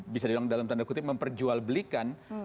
bisa dibilang dalam tanda kutip memperjualbelikan